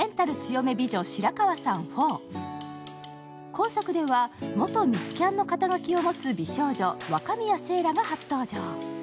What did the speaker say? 今作では元ミスキャンの肩書きを持つ美少女・若宮星羅が登場。